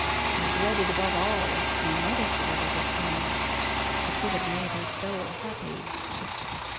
I dreaded above all lest my mother should ever get to know it. It would have made her so happy."